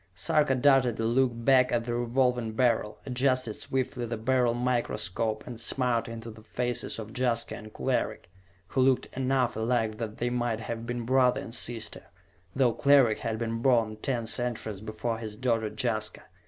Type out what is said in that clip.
Sarka darted a look back at the Revolving Beryl, adjusted swiftly the Beryl microscope, and smiled into the faces of Jaska and Cleric, who looked enough alike that they might have been brother and sister, though Cleric had been born ten centuries before his daughter Jaska.